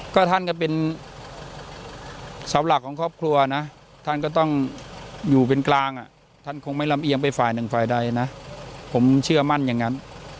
ก็ท่านก็เป็นเสาหลักของครอบครัวนะท่านก็ต้องอยู่เป็นกลางท่านคงไม่ลำเอียงไปฝ่ายหนึ่งฝ่ายใดนะผมเชื่อมั่นอย่างนั้น